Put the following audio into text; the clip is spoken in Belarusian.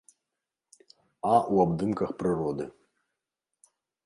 А ў абдымках у прыроды.